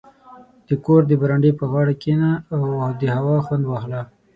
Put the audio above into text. • د کور د برنډې پر غاړه کښېنه او د هوا خوند واخله.